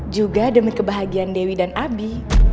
juga demi kebahagiaan dewi dan abi